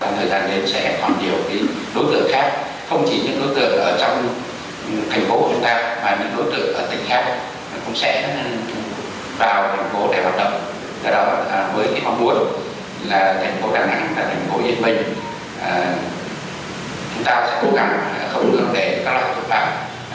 chúng ta sẽ cố gắng không ngừng để các loại thủ đoạn khó đất hoạt động trên địa bàn của thành phố đà nẵng